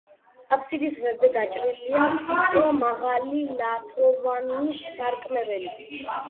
აფსიდის ღერძზე გაჭრილია ვიწრო, მაღალი, თაღოვანი სარკმელი.